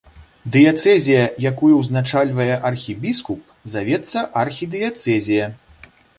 Дыяцэзія, якую ўзначальвае архібіскуп, завецца архідыяцэзія.